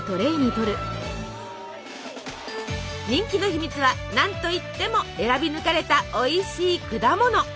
人気の秘密は何といっても選び抜かれたおいしい果物！